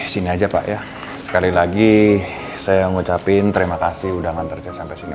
sini aja pak ya sekali lagi saya ngucapin terima kasih udah ngantar saya sampai sini